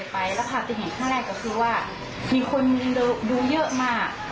ไปแล้วภาพติดเห็นข้างแรกก็คือว่ามีคนดูเยอะมาก